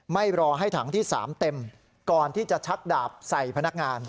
ไม่รอให้ถังที่๓เต็มก่อนที่จะชักดาบใส่พนักงาน